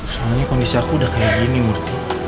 soalnya kondisi aku udah kayak gini murti